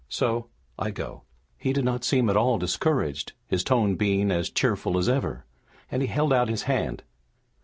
So, I go." He did not seem at all discouraged, his tone being as cheerful as ever, and he held out his hand.